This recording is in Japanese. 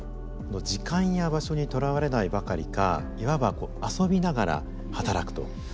時間や場所にとらわれないばかりかいわば遊びながら働くと。